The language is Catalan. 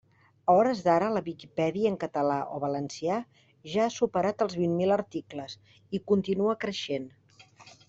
A hores d'ara la Viquipèdia en català o valencià, ja ha superat els vint mil articles, i continua creixent.